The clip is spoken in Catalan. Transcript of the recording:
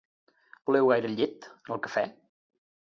Voleu gaire llet en el cafè?